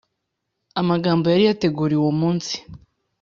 amagambo yari yateguriwe uwo munsi.